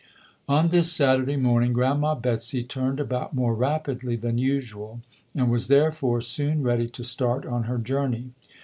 On this Saturday morning Grandma Betsy turned about more rapidly than usual and was therefore soon ready to start on her journey.